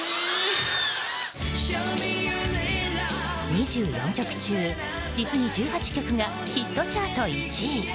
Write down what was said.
２４曲中、実に１８曲がヒットチャート１位。